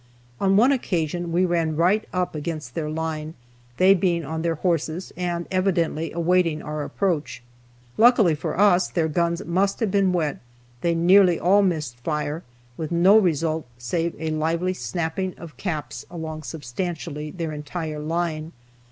On one occasion we ran right up against their line, they being on their horses, and evidently awaiting our approach. Luckily for us, their guns must have been wet; they nearly all missed fire, with no result save a lively snapping of caps along substantially their entire line.